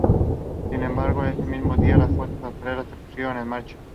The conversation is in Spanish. Sin embargo ese mismo día las fuerzas austriacas se pusieron en marcha.